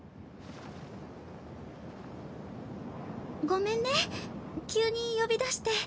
ごめんね急に呼び出して。